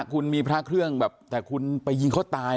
คุณมีพระเครื่องแบบแต่คุณไปยิงเขาตาย